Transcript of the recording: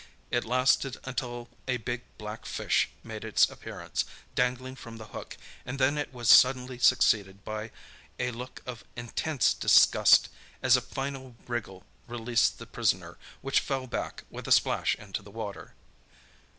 It lasted until a big black fish made its appearance, dangling from the hook, and then it was suddenly succeeded by a look of intense disgust, as a final wriggle released the prisoner, which fell back with a splash into the water.